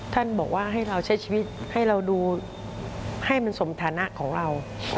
ท่านบอกว่าให้เราใช้ชีวิตให้เราดูให้มันสมฐานะของเรา